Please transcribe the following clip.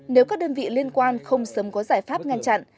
nếu các đơn vị liên quan không sớm có giải pháp ngăn chặn